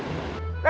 bisa begitu ya